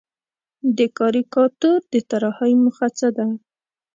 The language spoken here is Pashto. د کاریکاتور د طراحۍ موخه څه ده؟